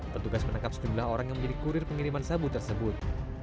petugas menangkap sejumlah orang yang menjadi kurir pengiriman sabu tersebut